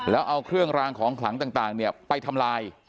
แล้วเอาเครื่องรางของขลังต่างไปทำลาย